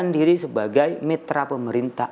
diri sebagai mitra pemerintah